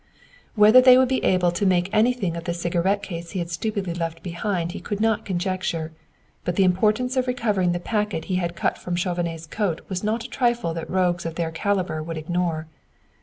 Whether they would be able to make anything of the cigarette case he had stupidly left behind he could not conjecture; but the importance of recovering the packet he had cut from Chauvenet's coat was not a trifle that rogues of their caliber would ignore.